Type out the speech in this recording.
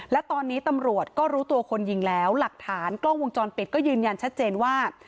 และตอนนี้ตำรวจก็รู้ตัวคนยิงแล้วหลักฐานกล้องวงจรปิดก็ยืนยันชัดเจนว่า